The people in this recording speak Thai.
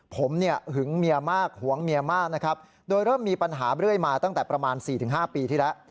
ผมเนี่ยหึงเมียมากหวงเมียมากนะครับโดยเริ่มมีปัญหาเรื่อยมาตั้งแต่ประมาณ๔๕ปีที่แล้ว